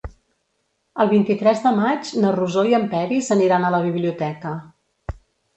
El vint-i-tres de maig na Rosó i en Peris aniran a la biblioteca.